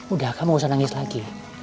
udah kamu gak usah nangis lagi